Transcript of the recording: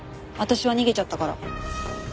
私は逃げちゃったから。